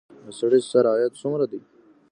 د سړي سر عاید څومره دی؟